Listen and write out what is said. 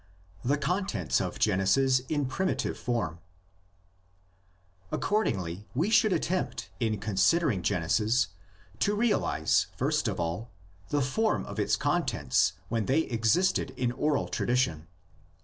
THE CONTENTS OF GENESIS IN PRIMITIVE FORM. Accordingly, we should attempt in considering Genesis to realise first of all the form of its contents when they existed as oral tradition.